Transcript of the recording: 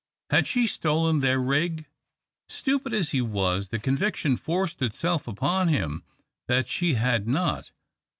Had she stolen their rig? Stupid as he was, the conviction forced itself upon him that she had not.